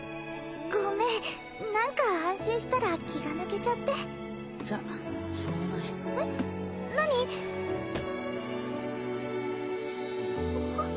ごめん何か安心したら気が抜けちゃってじゃそのままねえっ？